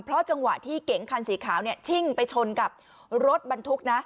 เพราะจังหวะที่เก๋งคันสีขาวเนี่ยชิ่งไปชนกับรถบรรทุกนะ